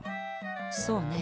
そうねえ